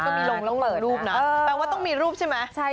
มีลงลงลูกนะแปลว่าต้องมีรูปใช่ไหม